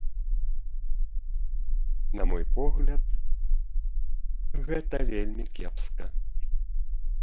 На мой погляд, гэта вельмі кепска.